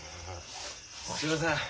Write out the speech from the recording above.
すいません。